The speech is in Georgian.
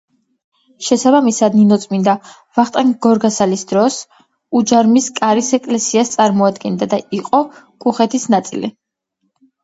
შესაბამისად ნინოწმინდა ვახტანგ გორგასალის დროს, უჯარმის კარის ეკლესიას წარმოადგენდა და იყო კუხეთის ნაწილი.